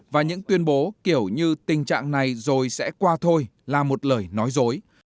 và những tuyên bố kiểu như tình trạng này rồi sẽ qua thôi là một lời nói dối